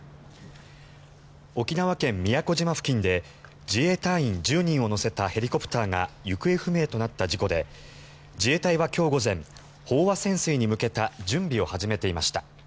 沖縄県・宮古島付近で自衛隊員１０人を乗せたヘリコプターが行方不明となった事故で自衛隊は今日午前飽和潜水に向けた準備を始めていました。